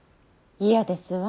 嫌ですわ。